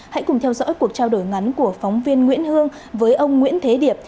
hãy cùng theo dõi cuộc trao đổi ngắn của phóng viên nguyễn hương với ông nguyễn thế điệp